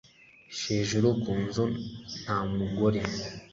Hejuru ku nzu nta mugore